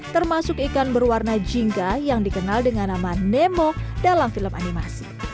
termasuk ikan berwarna jingga yang dikenal dengan nama nemo dalam film animasi